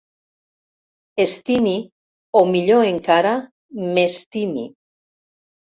Estimi, o millor encara, m'estimi.